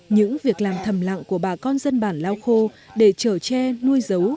những việc làm thầm lặng của bà con dân bản lào khô để trở tre nuôi giấu